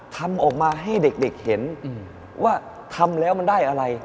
ทำออกมาให้เด็กเห็นว่าทำแล้วมันได้อะไร